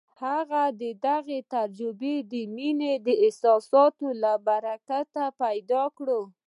هغه دغه تجربه د مينې د احساساتو له برکته پيدا کړه.